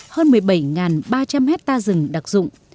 hơn một mươi bảy ba trăm linh hectare rừng đặc dụng